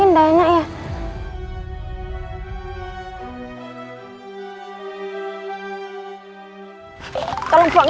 ide mana dia yang buat gini